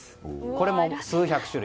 これも数百種類。